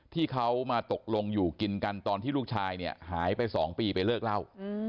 ที่เขามาตกลงอยู่กินกันตอนที่ลูกชายเนี่ยหายไป๒ปีไปเลิกเล่า